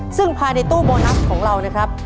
ซึ่งภายในตู้โบนัสของเรานะครับ